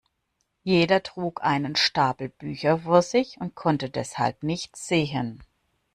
Jeder trug einen Stapel Bücher vor sich und konnte deshalb nichts sehen.